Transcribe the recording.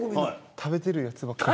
食べてるやつばっかり。